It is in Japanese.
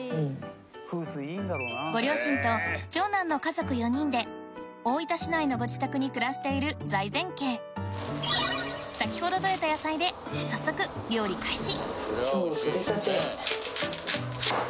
ご両親と長男の家族４人で大分市内のご自宅に暮らしている財前家先ほど採れた野菜で早速料理開始！